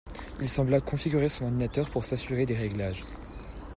il sembla configurer son ordinateur pour s’assurer des réglages.